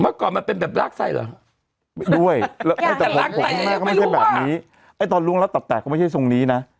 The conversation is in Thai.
เมื่อก่อนมันเป็นแบบลากไส่เหรอด้วยไม่ใช่แบบนี้ไอ้ตอนลุงแล้วตับแตกก็ไม่ใช่ทรงนี้น่ะ